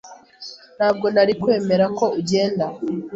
ntabwo nari kwemerako ugenda ,